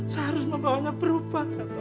saya harus memperubah